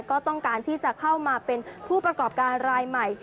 ก็ต้องการที่จะเข้ามาเป็นผู้ประกอบการรายใหม่